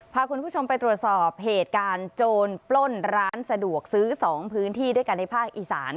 พาคุณผู้ชมไปตรวจสอบเหตุการณ์โจรปล้นร้านสะดวกซื้อ๒พื้นที่ด้วยกันในภาคอีสาน